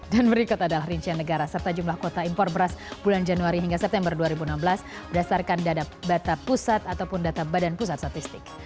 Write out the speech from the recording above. dan berikut adalah rincian negara serta jumlah kota impor beras bulan januari hingga september dua ribu enam belas berdasarkan data pusat ataupun data badan pusat statistik